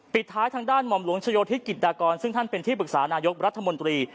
ปิดท้ายทางด้านหม่อมหลวงชโยธิศกิจดากรซึ่งท่านเป็นที่ปรึกษานายกรัฐมนตรี